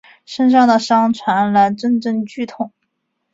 身上的伤传来阵阵剧痛